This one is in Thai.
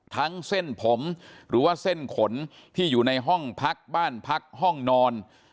เส้นผมหรือว่าเส้นขนที่อยู่ในห้องพักบ้านพักห้องนอน